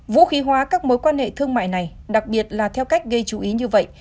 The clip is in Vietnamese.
vũ khí hóa các mối quan hệ thương mại này đặc biệt là theo cách gây chú ý như vậy